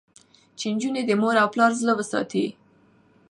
چې نجونې د مور او پلار زړه وساتي.